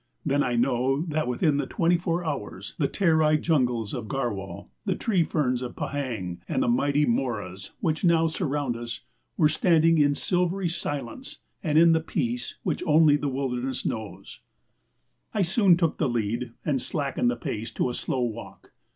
Then I know that within the twenty four hours the terai jungles of Garhwal, the tree ferns of Pahang, and the mighty moras which now surround us, were standing in silvery silence and in the peace which only the wilderness knows. I soon took the lead and slackened the pace to a slow walk.